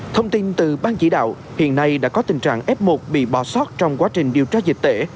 thông tin từ ban chỉ đạo hiện nay đã có tình trạng f một bị bỏ sót trong quá trình điều tra dịch tễ